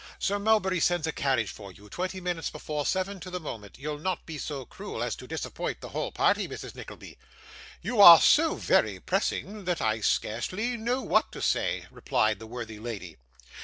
Sir Mulberry sends a carriage for you twenty minutes before seven to the moment you'll not be so cruel as to disappoint the whole party, Mrs. Nickleby?' 'You are so very pressing, that I scarcely know what to say,' replied the worthy lady.